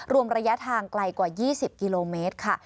รวมระยะทางไกลกว่า๒๐กิโลเมตรค่ะ